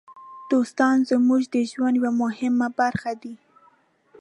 دوستان زموږ د ژوند یوه مهمه برخه دي.